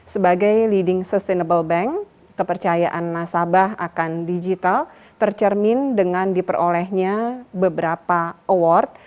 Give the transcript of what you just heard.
sebagai leading sustainable bank kepercayaan nasabah akan digital tercermin dengan diperolehnya beberapa award